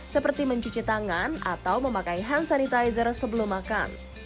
seperti mencuci tangan atau memakai hand sanitizer sebelum makan